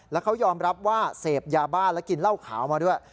แล้วเขายอมรับว่าเสพยาบ้าและกินเหล้าขาวมาด้วย